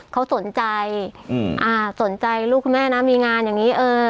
เขาสนใจสนใจลูกแม่นะมีงานอย่างนี้